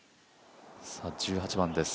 １８番です。